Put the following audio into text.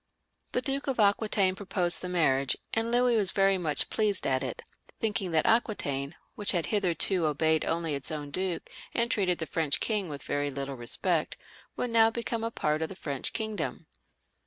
The Duke of Aquitaine proposed the marriage, and Louis was very much pleased at it, thinking that Aquitaine, which had hitherto obeyed only its own duke, and treated the French king with very little respect, would now become a part of the French kingdom.